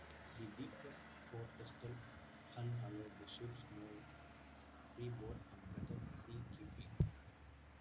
The deeper "Forrestal" hull allowed the ships more freeboard and better seakeeping.